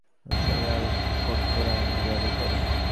নতুন সরকার আরো কঠোর আইন জারি করে।